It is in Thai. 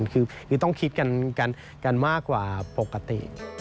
คือต้องคิดกันมากกว่าปกติ